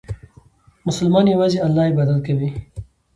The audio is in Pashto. مسلمان یوازې الله عبادت کوي.